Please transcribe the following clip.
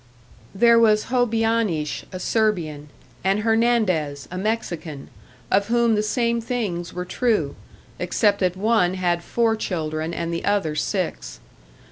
There was Hobianish, a Serbian, and Hernandez, a Mexican, of whom the same things were true, except that one had four children and the other six.